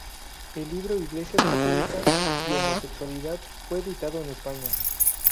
El libro "Iglesia católica y homosexualidad" fue editado en España.